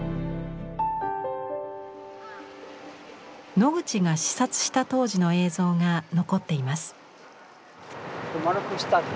ノグチが視察した当時の映像が残っています。